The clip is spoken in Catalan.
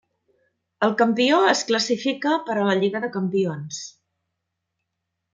El campió es classifica per a la Lliga de Campions.